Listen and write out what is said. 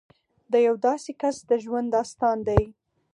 د یو داسې کس د ژوند داستان دی